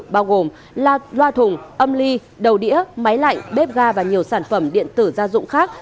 bao gồm la thùng âm ly đầu đĩa máy lạnh bếp ga và nhiều sản phẩm điện tử gia dụng khác